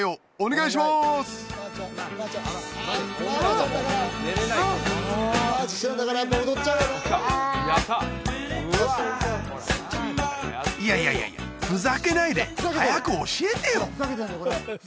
いやいやいやいやふざけないで早く教えてよ